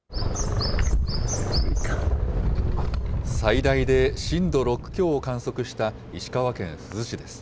最大で震度６強を観測した石川県珠洲市です。